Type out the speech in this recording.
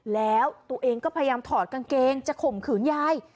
แล้วตัวเองก็พยายามถอดกางเกงจะข่มขืนยาย